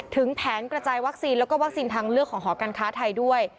ถึงแผนกระจายวัคซีนแล้วก็วัคซีนทางเลือกของหอการค้าไทยด้วย